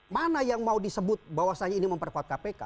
mana yang mau disebut bahwasannya ini memperkuat kpk